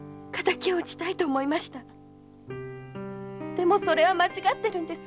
でもそれは間違っているんです！